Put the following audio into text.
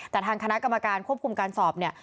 แต่ทางคณะกรรมการควบคุมการสอบเนี่ย